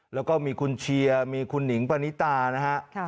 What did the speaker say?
แล้วก็มีคุณเชียร์มีคุณหนิงปณิตานะฮะ